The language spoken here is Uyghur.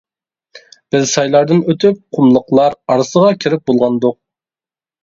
بىز سايلاردىن ئۆتۈپ قۇملۇقلار ئارىسىغا كىرىپ بولغانىدۇق.